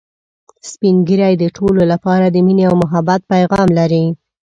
سپین ږیری د ټولو لپاره د ميني او محبت پیغام لري